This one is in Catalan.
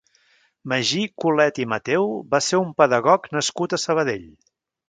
Magí Colet i Mateu va ser un pedagog nascut a Sabadell.